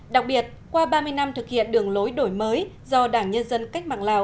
đặc biệt qua ba mươi năm thực hiện đường lối đổi mới do đảng nhân dân cách mạng lào